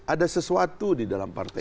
ada sesuatu di dalam partai